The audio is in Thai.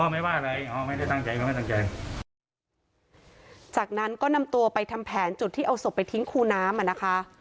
ไม่ว่าอะไรอ๋อไม่ได้ตั้งใจก็ไม่ตั้งใจจากนั้นก็นำตัวไปทำแผนจุดที่เอาศพไปทิ้งคูน้ำอ่ะนะคะ